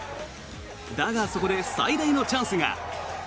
だが、そこで最大のチャンスが。